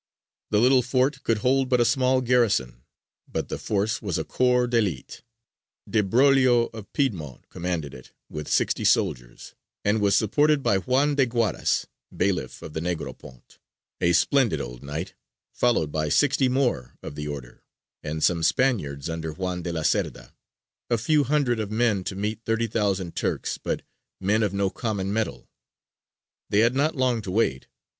The little fort could hold but a small garrison, but the force was a corps d'élite: De Broglio of Piedmont commanded it with sixty soldiers, and was supported by Juan de Guaras, bailiff of the Negropont, a splendid old Knight, followed by sixty more of the Order, and some Spaniards under Juan de la Cerda: a few hundred of men to meet thirty thousand Turks, but men of no common mettle. They had not long to wait.